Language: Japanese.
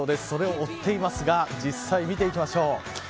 それを追っていますが実際、見ていきましょう。